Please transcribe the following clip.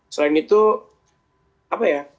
selain itu apa ya